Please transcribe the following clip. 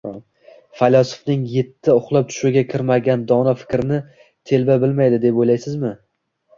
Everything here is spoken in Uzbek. Faylasufning yeti uxlab tushiga kirmagan dono fikrni telba bilmaydi, deb o’ylaysizmi?